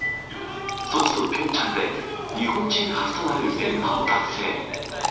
ソチとピョンチャンで、日本人初となる連覇を達成。